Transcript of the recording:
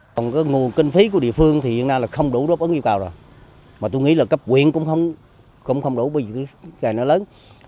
còn cái nguồn kinh phí của địa phương thì hiện nay là không đủ đối với nghiệp cầu rồi mà tôi nghĩ là cấp quyền cũng không đủ bởi vì cái cây nó lớn